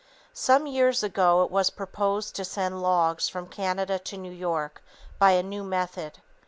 Some years ago, it was proposed to send logs from Canada to New York, by a new method.